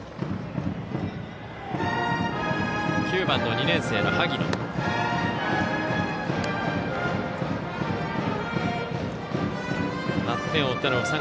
９番の２年生の萩野。